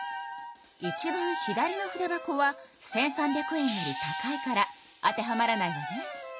いちばん左の筆箱は１，３００円より高いから当てはまらないわね。